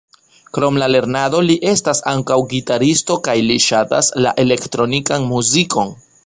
Krom la lernado li estas ankaŭ gitaristo kaj li ŝatas la elektronikan muzikon.